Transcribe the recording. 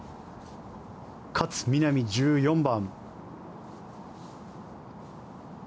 勝みなみ、１４番。